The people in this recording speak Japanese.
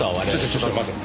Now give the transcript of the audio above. ちょちょっと待て。